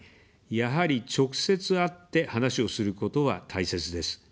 やはり、直接会って話をすることは大切です。